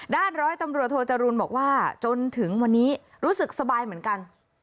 ร้อยตำรวจโทจรูลบอกว่าจนถึงวันนี้รู้สึกสบายเหมือนกัน